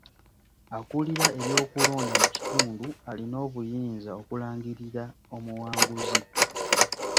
Akulira eby'okulonda mu kitundu alina obuyinza okulangirira omuwanguzi.